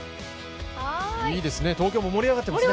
いいですね、東京も盛り上がってますね。